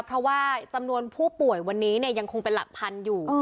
เพราะว่าจำนวนผู้ป่วยวันนี้ยังคงเป็นหลักพันอยู่